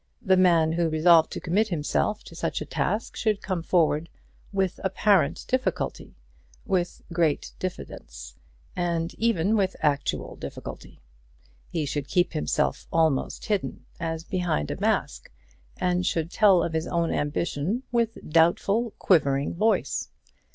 The man who resolved to commit himself to such a task should come forward with apparent difficulty, with great diffidence, and even with actual difficulty. He should keep himself almost hidden, as behind a mask, and should tell of his own ambition with doubtful, quivering voice.